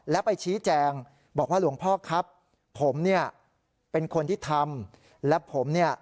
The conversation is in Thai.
และไปชี้แจงบอกว่าหลวงพ่อครับผมเนี่ยเป็นคนที่ทำและผมเนี่ย